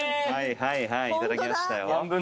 はいはい頂きましたよ。